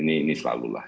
ini selalu lah